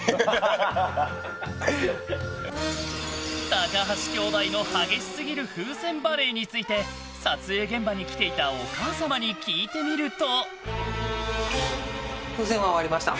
高橋兄弟の激しすぎる風船バレーについて撮影現場に来ていたお母様に聞いてみると。